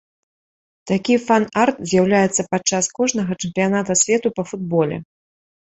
Такі фан-арт з'яўляецца падчас кожнага чэмпіяната свету па футболе.